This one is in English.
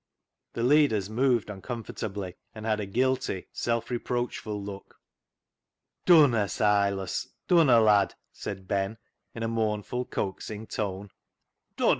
The leaders moved uncomfortably, and had a guilty, self reproachful look. " Dunna, Silas ! dunna, lad !" said Ben, in a mournful, coaxing tone. " Dunna !